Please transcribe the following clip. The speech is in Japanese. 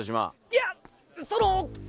いやその。